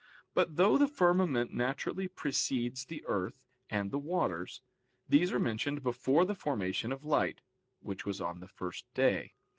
But though the firmament naturally precedes the earth and the waters, these are mentioned before the formation of light, which was on the first day.